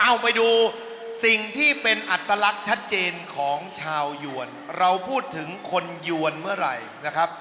เอาไปดูสิ่งที่เป็นอัตลักษณ์ชัดเจนของชาวยวนเราพูดถึงคนยวนเมื่อไหร่นะครับ